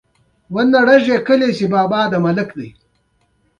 حیواني سره د ځمکې لپاره ښه ده.